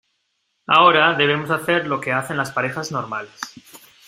ahora debemos hacer lo que hacen las parejas normales.